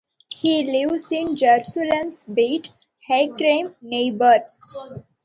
He lives in Jerusalem's Beit Hakerem neighborhood.